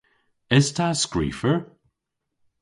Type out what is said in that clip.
Es ta skrifer?